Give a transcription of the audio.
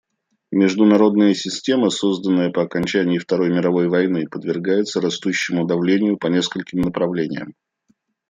Международная система, созданная по окончании Второй мировой войны, подвергается растущему давлению по нескольким направлениям.